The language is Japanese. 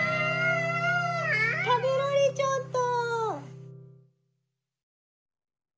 たべられちゃった。